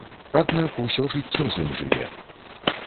Аднак усё жыццё з ім жыве.